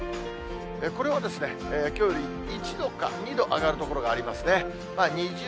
これはきょうより１度か２度上がる所がありますね。